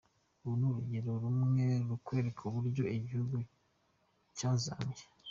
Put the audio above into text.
Uru ni urugero rumwe rukwereka uburyo igihugu cyazambye.